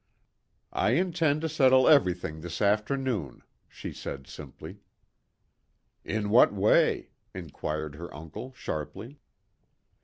"I intend to settle everything this afternoon," she said simply. "In what way?" inquired her uncle sharply.